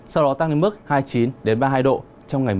sau đó tăng đến mức hai mươi chín đến ba mươi hai độ trong ngày một mươi ba